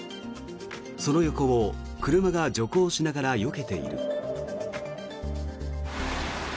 その横を車が徐行しながらよけている。